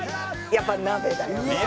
やっぱ鍋だよね。